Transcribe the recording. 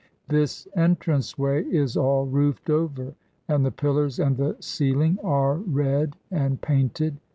This entrance way is all roofed over, and the pillars and the ceiling are red and painted.